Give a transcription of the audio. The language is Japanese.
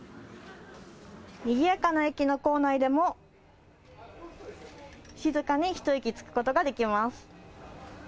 にぎやかな駅の構内でも、静かに一息つくことができます。